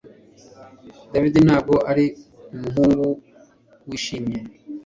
David ntabwo ari umuhungu wishimye